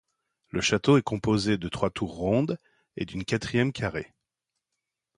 Le château est composé de trois tours rondes et d'une quatrième carrée.